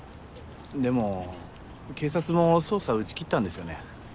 でも警察も捜査打ち切ったんですよね？